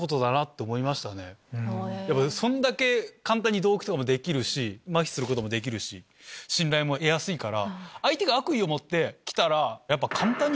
そんだけ簡単に同期もできるしまひすることもできるし信頼も得やすいから。